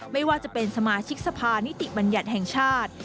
ไม่ว่าจะเป็นสมาชิกสภานิติบัญญัติแห่งชาติ